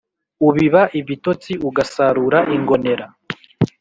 Ubiba ibitotsi ugasarura ingonera